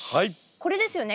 これですよね？